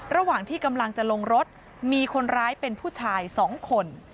ระหว่างที่กำลังจะลงรถมีคนร้ายเป็นผู้ชาย๒คน